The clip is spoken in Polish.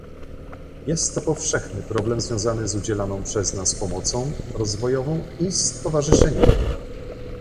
Jest to powszechny problem związany z udzielaną przez nas pomocą rozwojową i stowarzyszeniową